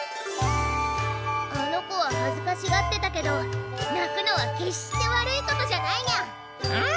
あの子ははずかしがってたけど泣くのは決して悪いことじゃないにゃ。